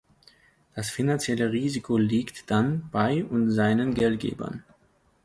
Das finanzielle Risiko liegt dann bei und seinen Geldgebern.